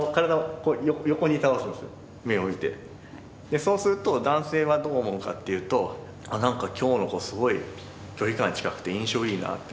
そうすると男性はどう思うかっていうとあなんか今日の子すごい距離感近くて印象いいなって。